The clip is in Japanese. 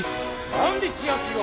何で千秋が！？